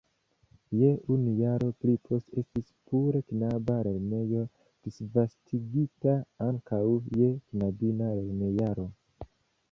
Je unu jaro pli poste estis pure knaba lernejo disvastigita ankaŭ je knabina lernojaro.